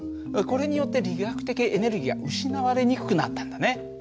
これによって力学的エネルギーが失われにくくなったんだね。